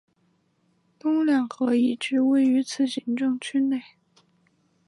东两河遗址位于此行政区内。